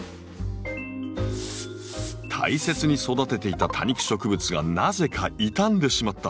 大切に育てていた多肉植物がなぜか傷んでしまった。